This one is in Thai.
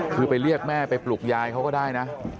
คือไปเรียกแม่ไปปลุกยายเขาก็ได้นะ